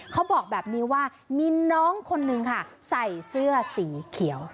เขาบอกแบบนี้ว่ามีน้องคนนึงค่ะใส่เสื้อสีเขียว